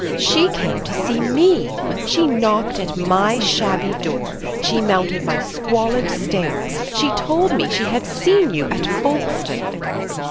"She came to see ME. She knocked at my shabby door. She mounted my squalid stair. She told me she had seen you at Folkestone."